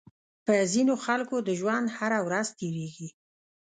په ځينې خلکو د ژوند هره ورځ تېرېږي.